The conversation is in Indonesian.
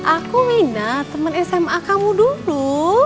aku wina temen sma kamu dulu